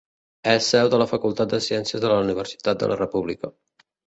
És seu de la Facultat de Ciències de la Universitat de la República.